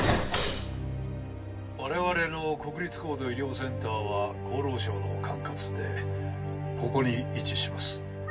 「我々の国立高度医療センターは厚労省の管轄でここに位置します」